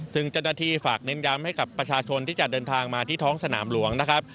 ซึ่งเจ้าหน้าที่ฝากเน้นย้ำให้กับประชาชนที่จะเดินทางมาที่ท้องสนามหลวงนะครับ